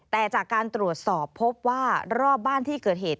แต่จากการตรวจสอบพบว่ารอบบ้านที่เกิดเหตุ